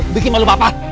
bikin malu bapak